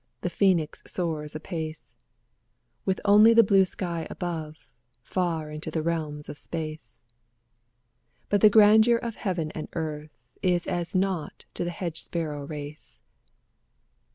the phoenix soars apace, With only the blue sky above, far into the realms of space; But the grandeur of heaven and earth is as naught to the hedge sparrow race.